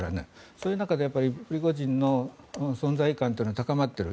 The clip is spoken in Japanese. そういう中でプリゴジンの存在感というのは高まっている。